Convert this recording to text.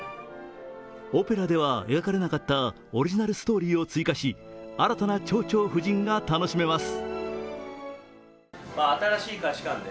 オペラでは描かれなかったオリジナルストーリーを追加し、新たな「蝶々夫人」が楽しめます。